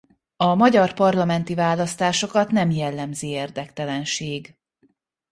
A magyar parlamenti választásokat nem jellemzi érdektelenség.